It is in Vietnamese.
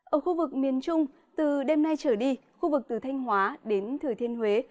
ở khu vực miền trung từ đêm nay trở đi khu vực từ thanh hóa đến thừa thiên huế